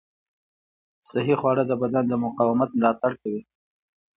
صحي خواړه د بدن د مقاومت ملاتړ کوي.